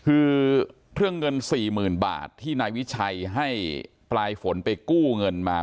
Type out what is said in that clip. คือเรื่องเงินสี่หมื่นบาทที่นายวิชัยให้ปลายฝนไปกู้เงินมา